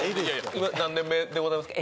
今何年目でございますか？